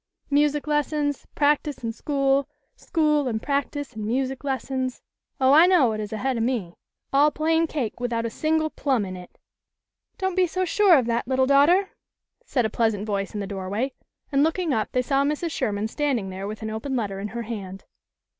Music lessons, practice an' school ; school an' prac tice an' music lessons. Oh, I know what is ahead of me. All plain cake without a single plum in it." " Don't be so sure of that, little daughter," said a pleasant voice in the doorway, and looking up, they saw Mrs. Sherman standing there with an open letter in her hand.